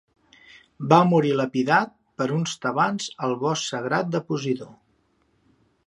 Va morir lapidat per uns tebans al bosc sagrat de Posidó.